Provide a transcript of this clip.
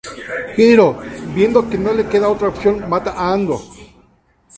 Hiro; viendo que no le queda otra opción, mata a Ando.